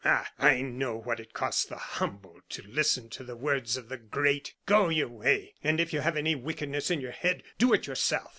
"Ah! I know what it costs the humble to listen to the words of the great! Go your way; and if you have any wickedness in your head, do it yourself!"